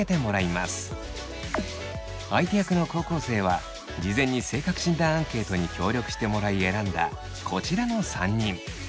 相手役の高校生は事前に性格診断アンケートに協力してもらい選んだこちらの３人。